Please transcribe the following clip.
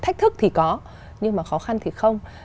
thách thức thì có nhưng mà khó khăn thì không